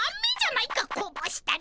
こぼしたりして！